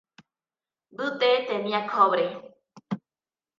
Butte tenía cobre.